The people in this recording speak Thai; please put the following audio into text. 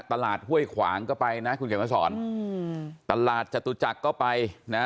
ตลาดห้วยขวางก็ไปนะคุณแข่งมาสอนตลาดจตุจักรก็ไปนะ